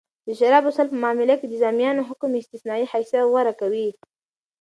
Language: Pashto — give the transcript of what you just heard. د شرابو څښل په معامله کښي د ذمیانو حکم استثنايي حیثت غوره کوي.